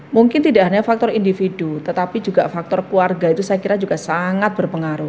mungkin tidak hanya faktor individu tetapi juga faktor keluarga itu saya kira juga sangat berpengaruh